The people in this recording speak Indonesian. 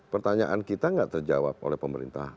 pertanyaan kita nggak terjawab oleh pemerintah